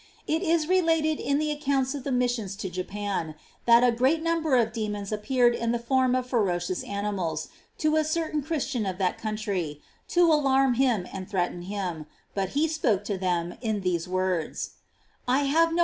It i& related in the accounts of the missions to Japan that a great number of demons appeared in the form of ferocious animals to a certain Christian of that country, to alarm him and threaten him, but he spoke to them in these words :"I have no